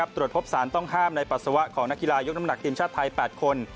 ตรวจพบสารต้องห้ามในปัสสาวะของนักกีฬายกน้ำหนักทีมชาติไทย๘คน